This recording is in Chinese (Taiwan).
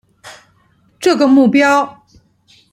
這個目標